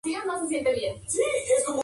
Introducción de Emilio Quintana.